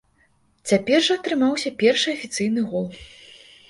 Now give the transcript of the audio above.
Цяпер жа атрымаўся першы афіцыйны гол.